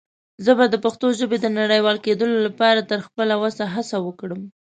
زه به دَ پښتو ژبې د نړيوال کيدلو لپاره تر خپله وسه هڅه وکړم.